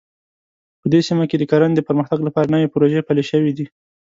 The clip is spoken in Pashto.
په دې سیمه کې د کرنې د پرمختګ لپاره نوې پروژې پلې شوې دي